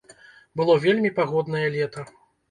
Было вельмі пагоднае лета.